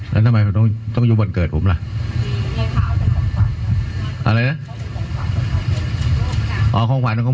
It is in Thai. นายกตกใจไงเถอะ